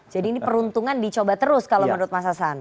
jadi ini peruntungan dicoba terus kalau menurut mas hasan